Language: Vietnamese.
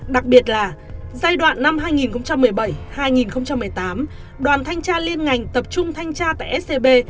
đặc biệt là giai đoạn năm hai nghìn một mươi bảy hai nghìn một mươi tám đoàn thanh tra liên ngành tập trung thanh tra tại scb